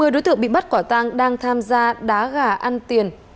một mươi đối tượng bị bắt quả tang đang tham gia đá gà ăn tiền